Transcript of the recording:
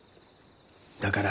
だから。